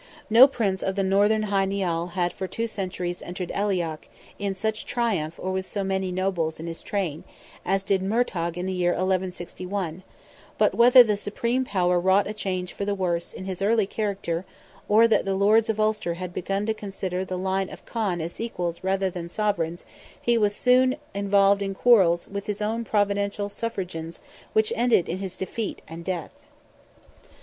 No Prince of the Northern Hy Nial had for two centuries entered Aileach in such triumph or with so many nobles in his train, as did Murtogh in the year 1161, But whether the supreme power wrought a change for the worse in his early character, or that the lords of Ulster had begun to consider the line of Conn as equals rather than sovereigns, he was soon involved in quarrels with his own Provincial suffragans which ended in his defeat and death.